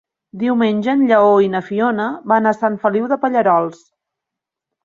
Diumenge en Lleó i na Fiona van a Sant Feliu de Pallerols.